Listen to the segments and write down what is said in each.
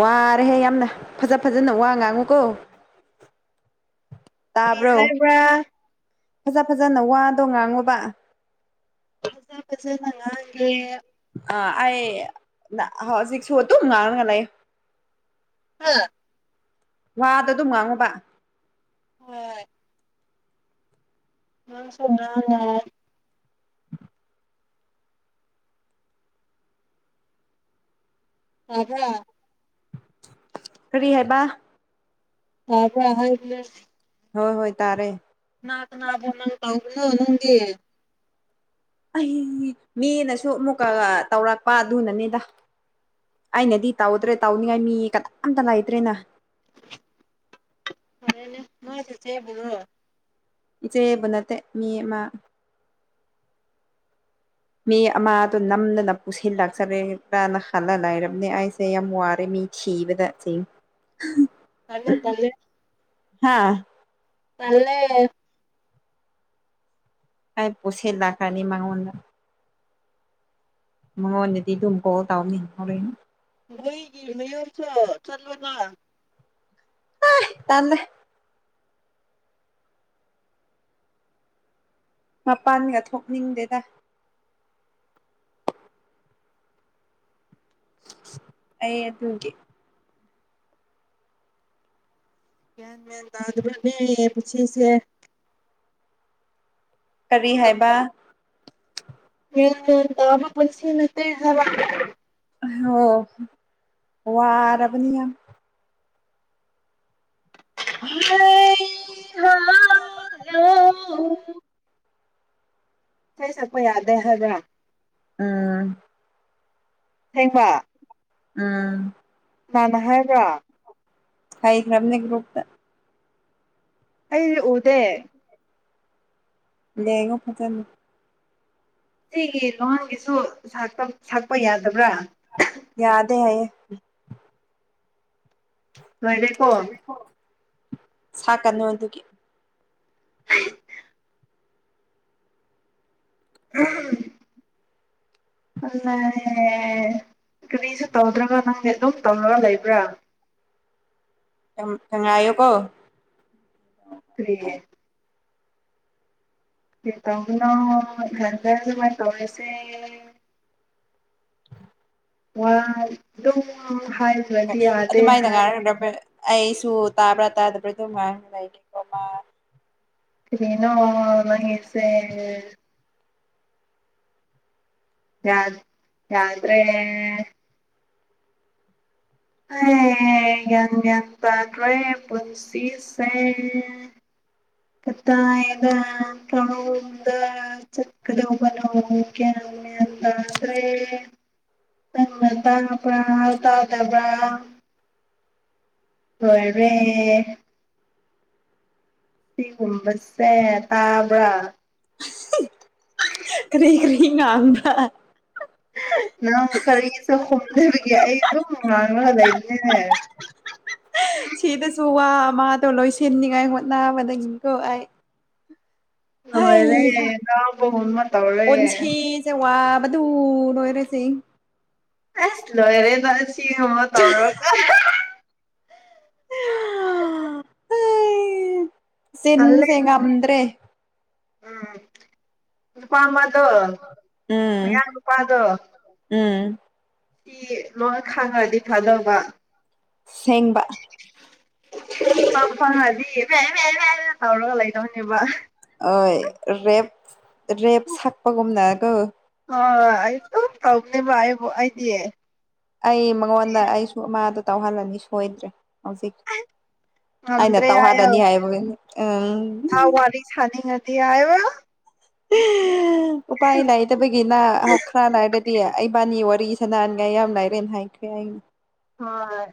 ꯋꯥꯔꯦꯍꯦ ꯌꯥꯝꯅ ꯐꯖ ꯐꯖꯅ ꯋꯥ ꯉꯥꯡꯉꯨꯀꯣ [inaudible] ꯇꯥꯕ꯭ꯔꯣ ꯍꯥꯏꯕ꯭ꯔꯥ ꯐꯖ ꯐꯖꯅ ꯋꯥꯗꯣ ꯉꯥꯡꯉꯣꯕ ꯐꯖ ꯐꯖꯅ ꯉꯥꯡꯒꯦ ꯑ ꯑꯩ ꯍꯧꯖꯤꯛꯁꯨ ꯑꯗꯨꯨꯝ ꯉꯥꯡꯂꯒ ꯂꯩꯌꯨ ꯍꯥ ꯋꯥꯗꯣ ꯑꯗꯨꯝ ꯉꯥꯡꯉꯣꯕ ꯍꯣꯏ ꯅꯪ ꯁꯦꯟꯗ꯭ꯔꯥ ꯂꯩ ꯑꯥꯗ ꯀꯔꯤ ꯍꯥꯏꯕ ꯑꯥꯗ ꯍꯥꯏꯕꯅꯦ ꯍꯣꯏ ꯍꯣꯏ ꯇꯥꯔꯦ ꯀꯅꯥ ꯀꯅꯥꯗ ꯅꯪ ꯇꯧꯕꯅꯣ ꯅꯪꯗꯤ ꯑꯌꯤꯡꯕꯤ ꯃꯤꯅꯁꯨ ꯑꯃꯨꯛꯀ ꯇꯧꯔꯛꯄ ꯑꯗꯨꯅꯅꯤꯗ ꯑꯩꯅꯗꯤ ꯇꯧꯗ꯭ꯔꯦ ꯇꯧꯅꯤꯡꯉꯥꯏ ꯃꯤ ꯀꯅꯥꯝꯇ ꯂꯩꯇ꯭ꯔꯦꯅ [unintelligible] [unintelligible] [unintelligible] ꯏꯆꯦꯕ ꯅꯠꯇꯦ ꯃꯤ ꯃꯥ ꯃꯤ ꯑꯃꯗꯣ ꯅꯝꯗꯅ ꯄꯨꯁꯤꯜꯂꯛꯆꯔꯦꯀ꯭ꯔꯥꯅ ꯈꯜꯂ ꯂꯩꯥꯏꯔꯕꯅꯦ ꯑꯩꯁꯦ ꯌꯥꯝ ꯋꯥꯔꯦ ꯃꯤ ꯊꯤꯕꯗ ꯊꯤꯕꯗ ꯇꯥꯜꯂꯦ ꯇꯥꯜꯂꯦ ꯑꯩꯥ ꯄꯨꯁꯤꯜ ꯂꯥꯛꯀꯥꯅꯤ ꯃꯉꯣꯟꯗ ꯃꯉꯣꯟꯗꯗꯤ ꯗꯨꯝ ꯀꯣꯜ ꯇꯥꯎꯅꯤ ꯍꯣꯔꯦꯅ ꯃꯣꯏꯒꯤ ꯃꯌꯨꯝꯗꯣ ꯆꯠꯂꯕ ꯑꯩ ꯇꯥꯜꯂꯦ ꯃꯄꯥꯟꯒ ꯊꯣꯛꯅꯤꯡꯗꯦꯗ ꯑꯩ ꯑꯗꯨꯒꯤ ꯀꯌꯥꯟ ꯃꯦꯟ ꯇꯥꯗꯕꯅꯦ ꯄꯨꯟꯁꯤꯁꯦ ꯀꯔꯤ ꯍꯥꯏꯕ ꯒꯌꯥꯟ ꯃꯦꯟ ꯇꯕꯥ ꯄꯨꯟꯁꯤ ꯅꯠꯇꯦ ꯍꯥꯢꯕ ꯑꯣ ꯋꯥꯔꯕꯅꯤꯅ ꯍ ꯍꯥꯎ [unintelligible] ꯢꯁꯩ ꯁꯥꯛꯄ ꯌꯥꯗꯦ ꯍꯥꯢꯕ꯭ꯔꯥ ꯎꯝ ꯑꯁꯦꯡꯕ ꯎꯝ ꯀꯅꯅꯥ ꯍꯥꯏꯕ꯭ꯔꯥ ꯍꯥꯢꯈ꯭ꯔꯝꯅꯤ ꯒ꯭ꯔꯨꯨꯞꯇ ꯑꯩꯗꯤ ꯎꯗꯦ ꯌꯦꯡꯉꯨ ꯐꯖꯅ ꯁꯤꯒꯤ ꯅꯍꯣꯟꯒꯤꯁꯨ ꯁꯛꯄ ꯌꯥꯗꯕ꯭ꯔꯥ ꯌꯥꯗꯦ ꯍꯥꯏꯌꯦ ꯂꯣꯏꯔꯦꯀꯣ ꯁꯥꯛꯀꯅꯨ ꯑꯗꯨꯒꯤ ꯎꯝ [unintelligible] ꯑ ꯀꯔꯤꯁꯨ ꯇꯧꯗ꯭ꯔꯒ ꯅꯪꯗꯤ ꯑꯗꯨꯝ ꯇꯨꯝꯔꯒ ꯂꯩꯕ꯭ꯔꯥ ꯉꯥꯏꯌꯨꯀꯣ ꯀꯔꯤ ꯀꯩ ꯇꯧꯕꯅꯣ ꯏꯊꯥꯟꯇ [unintelligible] ꯋꯥ ꯑꯗꯨꯝ ꯍꯥꯏ [unintelligible] ꯌꯥꯗꯦ ꯑꯗꯨꯃꯥꯏꯅ ꯉꯥꯡꯔꯒ ꯑꯩꯁꯨ ꯇꯥꯕ꯭ꯔꯥ ꯇꯥꯗꯕ꯭ꯔꯥ ꯑꯗꯨꯝ ꯉꯥꯡ ꯂꯩꯒꯦꯀꯣ ꯃꯥ ꯀꯔꯤꯅꯣ ꯅꯪꯒꯤꯁꯦ ꯌꯥꯗ ꯌꯥꯗ꯭ꯔꯦ ꯒꯌꯥꯟ ꯃꯦꯟ ꯇꯥꯗ꯭ꯔꯦ ꯄꯨꯟꯁꯤꯁꯦ ꯀꯗꯥꯢꯗ ꯀꯔꯣꯝꯗ ꯆꯠꯒꯗꯧꯕꯅꯣ ꯒꯌꯥꯟ ꯃꯦꯟ ꯇꯥꯗ꯭ꯔꯦ ꯅꯪꯅ ꯇꯥꯕ꯭ꯔꯥ ꯇꯥꯗꯕ꯭ꯔꯥ ꯂꯣꯢꯔꯦ ꯁꯤꯒꯨꯝꯕꯁꯦ ꯇꯥꯕ꯭ꯔꯥ ꯎ [inaudible] [inaudible] ꯀꯔꯤ ꯀꯔꯤ ꯉꯥꯡꯕ꯭ꯔꯥ ꯅꯪ ꯀꯔꯤꯁꯨ ꯈꯨꯝꯗꯕꯒꯤ ꯑꯩ ꯑꯗꯨꯝ ꯉꯥꯡꯂꯒ ꯂꯩꯕꯅꯤꯅꯦ ꯁꯤꯗꯁꯨ ꯋꯥ ꯃꯥꯗꯣ ꯂꯣꯏꯁꯤꯟꯅꯤꯉꯥꯏ ꯍꯣꯠꯅꯕꯗꯒꯤꯀꯣ ꯑꯩ ꯍꯩ ꯍꯣꯏꯔꯦ ꯍꯥ ꯅꯥꯎꯄꯒꯨꯝꯕꯥ ꯇꯧꯔꯦ ꯁꯦ ꯋꯥꯕꯗꯨ ꯂꯣꯏꯔꯦ ꯆꯦꯡ ꯑꯁ ꯂꯣꯏꯔꯦꯗ ꯁꯤ [unintelligible] ꯇꯜꯂꯦ ꯆꯤꯟꯁꯦ ꯉꯝꯗ꯭ꯔꯦ ꯎꯝ ꯅꯨꯄꯥ ꯑꯃꯗꯣ ꯎꯝ ꯃꯌꯥꯡ ꯅꯨꯄꯥꯗꯣ ꯎꯝ ꯏ ꯂꯣꯏ ꯈꯥꯡꯉꯗꯤ ꯐꯗꯧꯕ ꯁꯦꯡꯕꯥ ꯐꯪ ꯐꯪꯉꯗꯤ ꯃꯦ ꯃꯦ ꯃꯦ ꯃꯦ ꯇꯧꯔꯒ ꯂꯩꯗꯧꯅꯦꯕ ꯑꯣꯏ ꯔꯦꯞ ꯔꯦꯞ ꯁꯥꯛꯄꯒꯨꯝꯅꯥꯀꯣ ꯑꯥ ꯑꯩ ꯑꯗꯨꯨꯝ ꯇꯧꯕꯅꯦꯕ ꯑꯩꯕꯨ ꯑꯩꯗꯤ ꯑꯩ ꯃꯉꯣꯟꯗ ꯑꯩꯁꯨ ꯑꯃꯗꯣ ꯇꯧꯍꯜꯂꯅꯤ ꯁꯣꯏꯗ꯭ꯔꯦ ꯍꯧꯖꯤꯛ ꯑꯩꯅ ꯉꯝꯗ꯭ꯔꯦ ꯍꯥꯏꯌꯣ ꯇꯧꯍꯥꯂꯥꯅꯤ ꯍꯥꯏꯕꯒꯤꯅꯤ ꯎꯝ ꯃꯥ ꯋꯥꯔꯤ ꯁꯥꯥꯅꯤꯡꯉꯥꯗꯤ ꯍꯥꯏꯌꯣ ꯍꯥ ꯎꯄꯥꯏ ꯂꯩꯇꯥꯕꯒꯤ ꯅ ꯍꯣ ꯈ꯭ꯔꯥ ꯂꯩꯔꯥꯗꯤ ꯑꯩꯕꯥꯅꯤ ꯋꯥꯔꯤ [unintelligible] ꯌꯥꯝ ꯂꯥꯏꯔꯦꯅ ꯍꯥꯏꯈ꯭ꯔꯦ ꯑꯩ ꯍꯣꯏ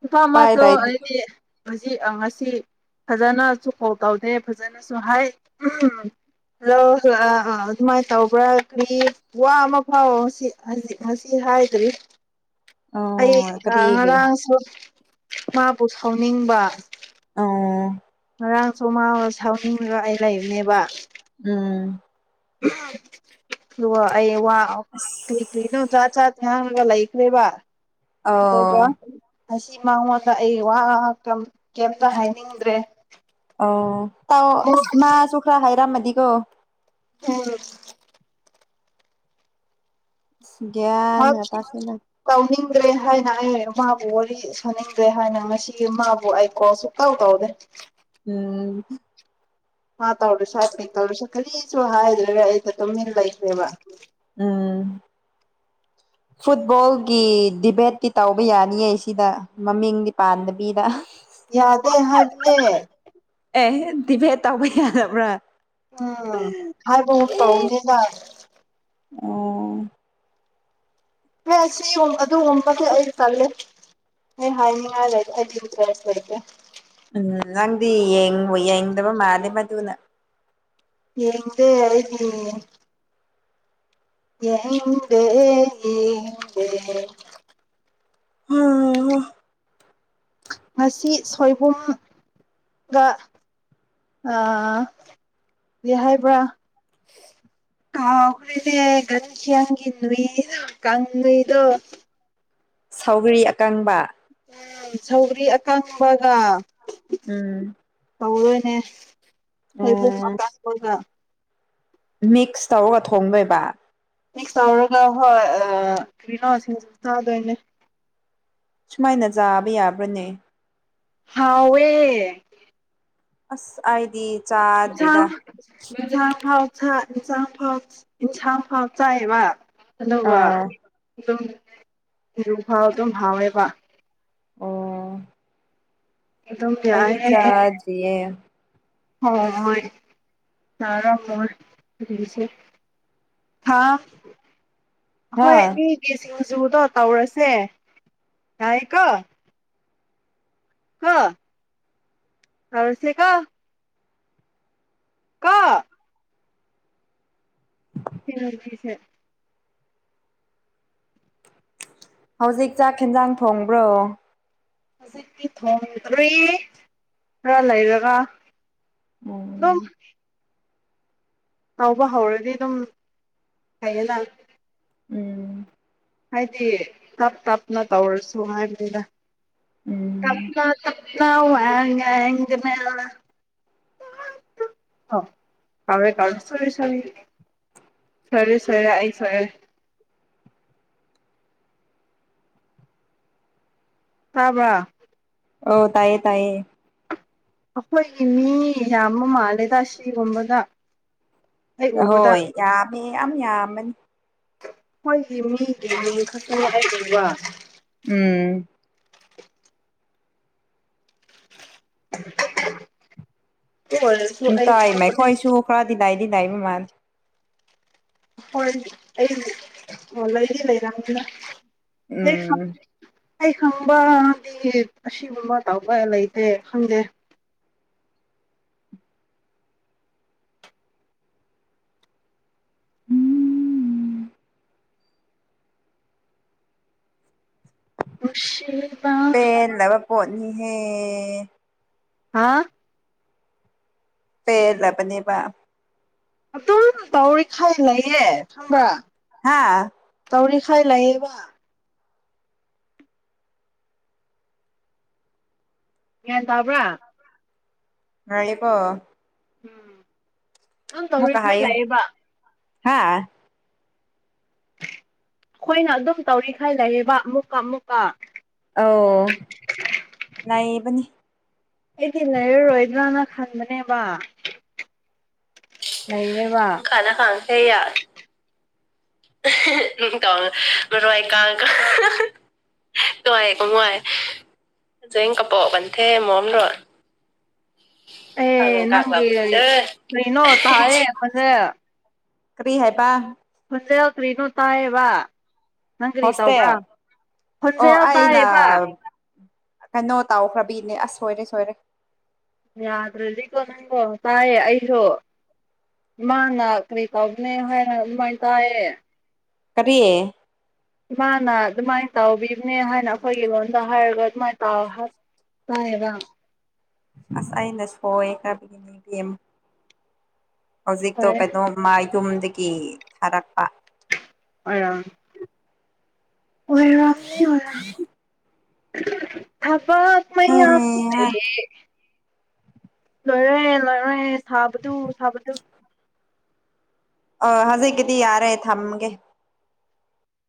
ꯅꯨꯄꯥ ꯎꯄꯥꯏ ꯑꯃꯗꯣ ꯂꯩꯇ꯭ꯔꯦ ꯑꯩꯗꯤ ꯍꯧꯖꯤꯛ ꯑꯥ ꯉꯁꯤ ꯐꯖꯅꯁꯨ ꯀꯣꯜ ꯇꯧꯗꯦ ꯐꯖꯅꯁꯨ ꯍꯥꯏ ꯍꯜꯂꯣ ꯑꯥ ꯑꯥ ꯑꯗꯨꯃꯥꯏꯅ ꯇꯧꯕ꯭ꯔꯥ ꯀꯔꯤ ꯋꯥ ꯑꯃꯐꯥꯎ ꯁꯤ ꯍꯖꯤ ꯉꯁꯤ ꯍꯥꯏꯗ꯭ꯔꯤ ꯑꯩ ꯑꯣ ꯅ ꯀꯔꯤꯒꯤ ꯉꯔꯥꯡꯁꯨ ꯃꯥꯕꯨ ꯁꯥꯎꯅꯤꯡꯕ ꯎꯝ ꯉꯔꯥꯡꯁꯨ ꯃꯕꯨ ꯁꯥꯎꯅꯤꯡꯔꯥꯒ ꯑꯩ ꯂꯩꯕꯅꯦꯕ ꯎꯝ ꯍꯥꯝ ꯑꯗꯨꯒ ꯑꯩ ꯋꯥ ꯀ꯭ꯔꯤ ꯀ꯭ꯔꯤꯅꯣ ꯖꯠ ꯖꯥꯠ ꯉꯡꯔꯒꯥ ꯂꯩꯈ꯭ꯔꯦꯕ ꯑꯗꯨꯒ ꯑꯧ ꯉꯁꯤ ꯃꯉꯣꯟꯗ ꯑꯩ ꯋꯥ ꯀꯝ ꯀꯩꯝꯇ ꯍꯥꯏꯅꯤꯡꯗ꯭ꯔꯦ ꯑꯣ ꯇꯥꯎ ꯑꯁ ꯃꯥꯁꯨ ꯈꯔ ꯍꯥꯏꯔꯝꯃꯗꯤꯀꯣ ꯎꯝ ꯏꯁ ꯒ꯭ꯌꯥꯟꯒ ꯇꯥꯁꯤꯜꯂꯛ ꯇꯧꯅꯤꯡꯗ꯭ꯔꯦ ꯍꯥꯏꯅ ꯑꯩ ꯃꯥꯕꯨ ꯋꯥꯔꯤ ꯁꯧꯅꯤꯡꯗ꯭ꯔꯦ ꯍꯥꯏꯅ ꯉꯁꯤ ꯃꯥꯕꯨ ꯑꯩ ꯀꯣꯜ ꯁꯨꯇꯥꯎ ꯇꯧꯗꯦ ꯎꯝ ꯃꯥ ꯇꯧꯔꯨꯁꯨ ꯍꯥꯏ ꯄꯤꯠ ꯇꯧꯔꯁꯨ ꯀꯔꯤꯁꯨ ꯍꯥꯏꯗ꯭ꯔꯦꯔꯦ ꯑꯩꯁꯨ ꯇꯨꯃꯤꯟ ꯂꯩꯈ꯭ꯔꯦꯕ ꯎꯝ [inaudible] ꯐꯨꯠꯕꯣꯜꯒꯤ ꯗꯤꯕꯦꯠꯇꯤ ꯇꯧꯕ ꯌꯥꯅꯤꯌꯦ ꯁꯤꯗ ꯃꯃꯤꯡꯗꯤ ꯄꯥꯟꯗꯕꯤꯗ ꯌꯥꯗꯦ ꯍꯥꯏꯕꯅꯦ ꯑꯦ ꯗꯤꯕꯦꯠ ꯇꯧꯕ ꯌꯥꯗꯥꯕ꯭ꯔꯥ ꯎꯝ ꯍꯥꯏꯕꯒꯨꯝ ꯇꯧꯕꯅꯦꯗ ꯎꯝ ꯍꯦ ꯑꯁꯤꯒꯨꯝ ꯑꯗꯨꯒꯨꯝ ꯇꯧꯕꯗꯤ ꯑꯩ ꯇꯜꯂꯦ ꯑꯩ ꯍꯥꯏꯅꯤꯡꯉꯏ ꯂꯩꯇꯦ ꯑꯩꯗꯤ ꯏꯟꯇꯦꯔꯦꯁ ꯂꯩꯇꯦ ꯎꯝ ꯅꯪꯗꯤ ꯌꯦꯡꯕꯨ ꯌꯦꯡꯗꯕ ꯃꯥꯜꯂꯦ ꯃꯗꯨꯅ ꯌꯦꯡꯗꯦ ꯑꯩꯗꯤ ꯌꯦꯡꯗꯦ ꯑꯩꯗꯤ ꯌꯦꯡꯗꯦ ꯎꯝ ꯉꯁꯤ ꯁꯣꯏꯕꯨꯝꯒ ꯑ ꯀꯩ ꯍꯥꯏꯕ꯭ꯔꯥ ꯀꯥꯎꯈꯔ꯭ꯦꯅꯦ ꯀꯌꯥꯪꯒꯤꯤ ꯅꯨꯣꯏ ꯀꯪ ꯅꯨꯣꯏꯗꯨꯣ ꯁꯧꯒꯔꯤ ꯑꯀꯪꯕ ꯎ ꯁꯧꯒꯔ꯭ꯤ ꯑꯀꯪꯄꯒ ꯎꯝ ꯇꯧꯔꯣꯏꯅꯦ ꯁꯣꯏꯕꯨꯝ ꯎꯝ ꯑꯀꯪꯕꯒꯥ ꯃꯤꯛꯁ ꯇꯧꯔꯒ ꯊꯣꯡꯗꯣꯏꯕ ꯃꯤꯛꯁ ꯇꯧꯔꯒ ꯍꯣꯏ ꯀꯩꯅꯣ ꯁꯤꯡꯖꯨ ꯆꯥꯗꯣꯏꯅꯦ ꯁꯨꯃꯥꯏꯅ ꯆꯥꯕ ꯌꯥꯕ꯭ꯔꯅꯦ ꯍꯥꯎꯋꯦ ꯑꯁ ꯍꯥꯏꯗꯤ ꯏꯟꯁꯥꯡ ꯌꯦꯟꯁꯥꯡ ꯐꯥꯎꯥꯛ ꯏꯟꯁꯥꯡ ꯐꯥꯎ ꯏꯟꯁꯥꯡ ꯐꯥꯎ ꯆꯥꯏꯕ ꯑꯗꯨꯒ ꯑꯥ ꯑꯗꯨꯝ ꯍꯖꯨ ꯐꯥꯎ ꯑꯗꯨꯝ ꯍꯥꯎꯋꯦꯕ ꯑꯣ ꯑꯗꯨꯝ ꯑꯩꯗꯤ ꯆꯥꯗꯔ꯭ꯤꯌꯦ ꯍ ꯍꯣꯏ ꯆꯥꯔꯝꯃꯣꯏ ꯍꯥꯥ ꯑꯈꯣꯏ ꯍꯥꯥ ꯑꯅꯤꯒꯤ ꯁꯤꯡꯖꯨꯗꯣ ꯇꯧꯔꯁꯦ ꯌꯥꯏꯀꯣ ꯍꯥ ꯇꯧꯔ꯭ꯁꯦꯀꯣ ꯀꯣ [unintelligible] ꯍꯧꯖꯤꯛ ꯆꯥꯛ ꯌꯦꯦꯟꯖꯥꯡ ꯊꯣꯡꯕ꯭ꯔꯣ ꯍꯧꯖꯤꯛꯇꯤ ꯊꯣꯡꯗꯔꯤ ꯈꯔ ꯂꯩꯔꯒ ꯑꯗꯨꯝ ꯎꯝ ꯉꯧꯕ ꯍꯧꯔꯗꯤ ꯑꯗꯨꯝ ꯍꯥꯏꯌꯦꯅ ꯎꯝ ꯍꯥꯏꯗꯤ ꯇꯞ ꯇꯞꯅ ꯇꯧꯔꯁꯨ ꯍꯥꯏꯕꯅꯤꯗ ꯎꯝ [unintelligible] [unintelligible] ꯁꯣꯏꯔꯦ ꯁꯣꯏꯔꯦ ꯑꯩ ꯁꯣꯏꯔꯦ ꯇꯥꯕ꯭ꯔ ꯑꯣ ꯇꯥꯏꯌꯦ ꯇꯥꯏꯌꯦ ꯑꯩꯈꯣꯏꯒꯤ ꯃꯤ ꯌꯥꯝꯕ ꯃꯥꯜꯂꯦꯗ ꯁꯤꯒꯨꯝꯕꯗ ꯑꯩ ꯎꯕꯗ ꯍꯣꯏ ꯌꯥꯃꯤ ꯌꯥꯝ ꯌꯝꯕꯅꯤ ꯍꯣꯏꯒꯤ ꯃꯤꯒꯤ ꯃꯤ ꯈꯛꯇ ꯑꯩꯒꯨꯝꯕ ꯎꯝ [unintelligible] ꯎꯝ ꯇꯥꯏ ꯃꯈꯈꯣꯏꯁꯨ ꯈꯔꯗꯤ ꯗꯥꯏꯗꯤ ꯗꯥꯏꯕ ꯃꯥꯜꯂꯦ ꯍꯣꯏ ꯑꯩ ꯑꯣ ꯂꯩꯗꯤ ꯂꯩꯔꯝꯅꯤꯅ ꯍ ꯎꯝ ꯑꯩ ꯈꯪꯕꯗꯤ ꯑꯁꯤꯒꯨꯝꯕ ꯇꯧꯕ ꯂꯩꯇꯦ ꯈꯪꯗꯦ ꯃꯁꯤ ꯄꯦꯟꯗꯕ ꯄꯣꯠꯅꯤꯍꯦ ꯍꯥ ꯄꯦꯂꯕꯅꯦꯕ ꯑꯗꯨꯝ ꯇꯧꯋꯦ ꯈꯜ ꯂꯩꯌꯦ ꯈꯝꯕ꯭ꯔꯥ ꯍꯥꯥ ꯇꯧꯔꯤꯈꯥꯏ ꯂꯩꯌꯦꯕ ꯒ꯭ꯌꯥꯟ ꯇꯥꯕ꯭ꯔꯥ ꯅꯩꯌꯦꯀꯣ ꯎꯝ ꯑꯗꯨꯝ ꯃꯨꯛꯀ ꯇꯧꯔꯤꯈꯩ ꯍꯥꯏꯌꯨ ꯂꯩꯌꯦꯕ ꯍꯥ ꯑꯈꯣꯏꯅ ꯑꯗꯨꯝ ꯇꯧꯔꯤꯈꯥꯏ ꯂꯩꯌꯦꯕ ꯑꯃꯨꯛꯀ ꯑꯃꯨꯛꯀ ꯑꯧ ꯅꯩꯕꯅꯤ ꯑꯩꯗꯤ ꯂꯩꯔꯔꯣꯏꯗ꯭ꯔꯅ ꯈꯟꯕꯅꯦꯕ ꯂꯩꯔꯦꯕ ꯈꯜꯂ ꯈꯜꯂ [unintelligible] [unintelligible] [unintelligible] ꯑꯦ ꯅꯪꯒꯤ ꯀꯔꯤꯅꯣ ꯇꯥꯔꯦ ꯈꯣꯟꯖꯦꯜ [unintelligible] ꯀ꯭ꯔꯤ ꯍꯥꯏꯕ ꯍꯣꯁꯇꯦꯜ ꯀꯔꯤꯁꯨ ꯇꯥꯏꯌꯦꯕ ꯅꯪ ꯀꯔꯤ ꯇꯧꯕ꯭ꯔꯥ ꯍꯣꯁꯇꯦꯜ ꯑꯣ ꯈꯣꯟꯖꯦꯜ ꯇꯥꯏꯕ ꯑꯩꯅ ꯀꯩꯅꯣ ꯇꯧꯈ꯭ꯔꯕꯤꯅꯦ ꯑꯁ ꯁꯣꯏꯔꯦ ꯁꯣꯏꯔꯦ ꯌꯥꯗ꯭ꯔꯗꯤꯀꯣ ꯅꯪꯗꯣ ꯇꯥꯏꯌꯦ ꯑꯩꯖꯨ ꯃꯥꯅ ꯀꯔꯤ ꯇꯧꯒꯅꯤ ꯍꯥꯏꯅ ꯑꯗꯨꯃꯥꯏꯅ ꯇꯥꯏꯌꯦ ꯀꯔꯤ ꯃꯥꯅ ꯑꯗꯨꯃꯥꯏꯟ ꯇꯧꯕꯤꯕꯅꯦ ꯍꯥꯏꯅ ꯑꯩꯈꯣꯏꯒꯤ ꯂꯣꯟꯗ ꯍꯥꯏꯔꯒ ꯑꯗꯨꯃꯥꯏꯟ ꯇꯧ ꯍꯥꯏ ꯇꯥꯏꯌꯦꯕ ꯑꯁ ꯑꯩꯅ ꯁꯣꯏꯑꯦ [unintelligible] ꯍꯧꯖꯤꯛꯇꯣ ꯐꯔꯦ ꯀꯩꯅꯣꯝꯃ ꯌꯨꯝꯗꯒꯤ ꯊꯥꯔꯛꯄ ꯑꯣꯏꯔꯝ ꯑꯣꯏꯔꯝꯅꯤ ꯑꯣꯏꯔꯝ ꯊꯕꯛ ꯃꯌꯥꯝꯁꯦ ꯍꯩꯍꯥ ꯂꯣꯏꯔꯦ ꯂꯣꯏꯔꯦ ꯁꯥꯕꯗꯨ ꯁꯥꯕꯗꯨ ꯑ ꯍꯧꯖꯤꯛꯀꯤꯗꯤ ꯌꯥꯔꯦ ꯊꯝꯒꯦ